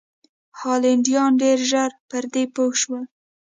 هالنډیان ډېر ژر پر دې پوه شول.